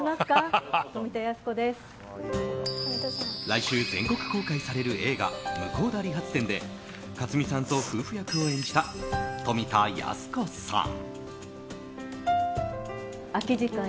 来週全国公開される映画「向田理髪店」で克実さんと夫婦役を演じた富田靖子さん。